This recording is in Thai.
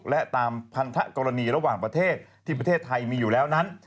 และตามพันธกรณีระหว่างประเทศที่ประเทศไทยมีอยู่แล้วนั้น